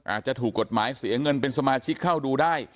อาจจะถูกกฎหมายเสียเงินเป็นสมาชิกเข้าดูได้